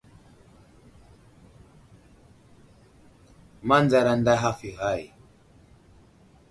Manzar aday haf i ghay.